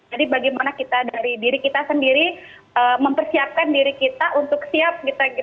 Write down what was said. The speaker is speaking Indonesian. jadi bagaimana kita dari diri kita sendiri mempersiapkan diri kita untuk siap kita kembali ke selatan jawa